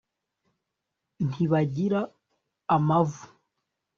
ntibagira amavu